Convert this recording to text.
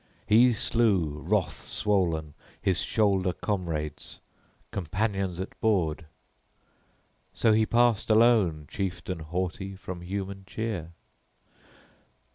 He slew, wrath swollen, his shoulder comrades, companions at board! So he passed alone, chieftain haughty, from human cheer.